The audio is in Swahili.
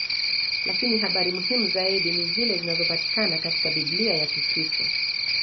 Lakini habari muhimu zaidi ni zile zinazopatikana katika Biblia ya Kikristo.